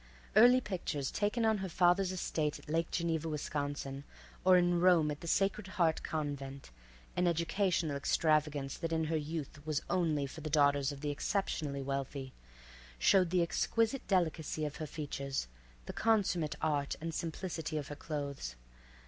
Early pictures taken on her father's estate at Lake Geneva, Wisconsin, or in Rome at the Sacred Heart Convent—an educational extravagance that in her youth was only for the daughters of the exceptionally wealthy—showed the exquisite delicacy of her features, the consummate art and simplicity of her clothes.